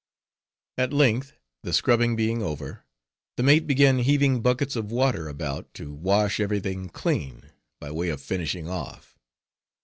At length the scrubbing being over, the mate began heaving buckets of water about, to wash every thing clean, by way of finishing off.